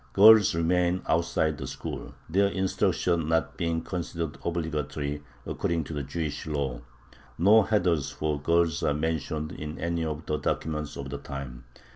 Girls remained outside the school, their instruction not being considered obligatory according to the Jewish law. No heders for girls are mentioned in any of the documents of the time.